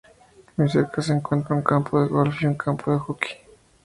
Muy cerca se encuentran un campo de golf y un campo de hockey.